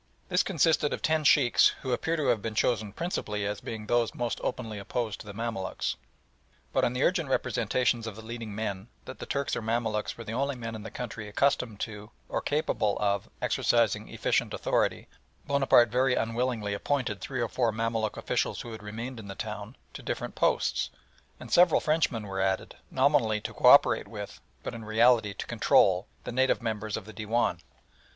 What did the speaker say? This consisted of ten Sheikhs, who appear to have been chosen principally as being those most openly opposed to the Mamaluks. But on the urgent representations of the leading men, that the Turks or Mamaluks were the only men in the country accustomed to, or capable of, exercising efficient authority, Bonaparte very unwillingly appointed three or four Mamaluk officials who had remained in the town to different posts; and several Frenchmen were added, nominally to co operate with, but in reality to control, the native members of the Dewan.